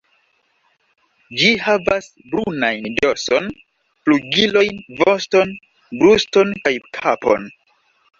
Ĝi havas brunajn dorson, flugilojn, voston, bruston kaj kapon.